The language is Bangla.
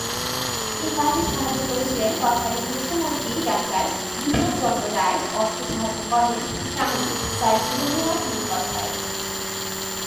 এ কাজে তাঁকে সাহায্য করেছিলেন তৎকালীন মুখ্যমন্ত্রী ডা বিধানচন্দ্র রায়, অর্থসাহায্য করেন স্বামী স্যার বীরেন্দ্রনাথ মুখোপাধ্যায়।